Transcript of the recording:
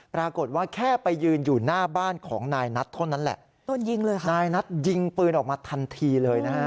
ปรากฏว่าแค่ไปยืนอยู่หน้าบ้านของนายนัทเท่านั้นแหละโดนยิงเลยค่ะนายนัทยิงปืนออกมาทันทีเลยนะฮะ